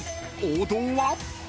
王道は］